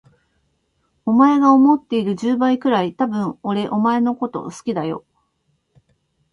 お前が思っている十倍くらい、多分俺お前のこと好きだよ。